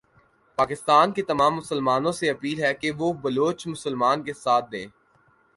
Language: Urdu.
پاکستان کے تمام مسلمانوں سے اپیل ھے کہ وہ بلوچ مسلمان کا ساتھ دیں۔